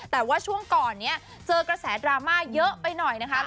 แต่ว่าช่วงก่อนนี้เจอกระแสดราม่าเยอะไปหน่อยนะคะ